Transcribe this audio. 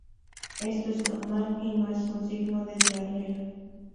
Esto es normal y no es un signo de diarrea.